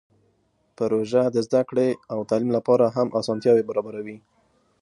پروژه د زده کړې او تعلیم لپاره هم اسانتیاوې برابروي.